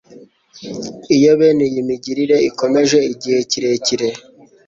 Iyo bene iyi migirire ikomeje igihe kirekire,